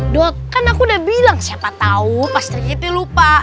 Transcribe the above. dut kan aku udah bilang siapa tau pas trik itu lupa